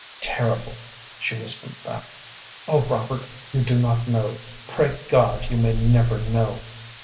"Terrible," she whispered back. "Oh, Robert, you do not know; pray God you may never know."